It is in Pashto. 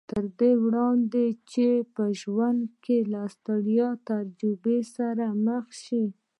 تر دې وړاندې چې په ژوند کې له سترې تجربې سره مخ شي